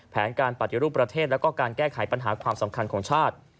แผนการปฏิรูปประเทศแล้วก็การแก้ไขปัญหาความสำคัญของชาติ